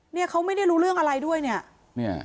เนี่ยเขาไม่ได้รู้เรื่องอะไรด้วยเนี่ย